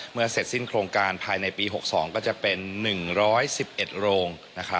เสร็จสิ้นโครงการภายในปี๖๒ก็จะเป็น๑๑๑โรง